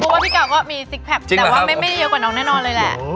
เพราะว่าพี่กาวก็มีซิกแพคแต่ว่าไม่ได้เยอะกว่าน้องแน่นอนเลยแหละ